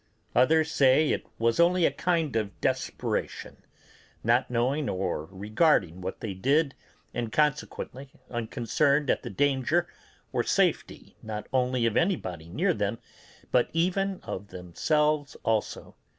Others say it was only a kind of desperation, not knowing or regarding what they did, and consequently unconcerned at the danger or safety not only of anybody near them, but even of themselves also.